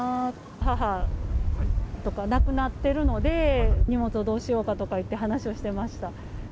母とか亡くなってるので、荷物をどうしようかと話をしてました。